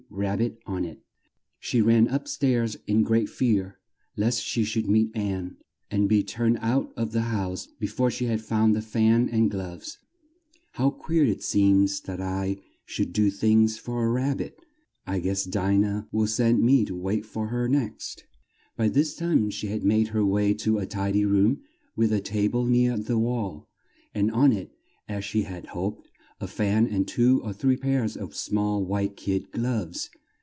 Rab bit on it. She ran up stairs in great fear lest she should meet Ann and be turned out of the house be fore she had found the fan and gloves. "How queer it seems that I should do things for a Rab bit! I guess Di nah'll send me to wait on her next!" By this time she had made her way to a ti dy room with a ta ble near the wall, and on it, as she had hoped, a fan and two or three pairs of small white kid gloves.